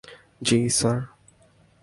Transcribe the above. জ্বী, স্যার।